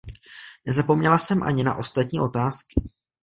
Nezapomněla jsem ani na ostatní otázky.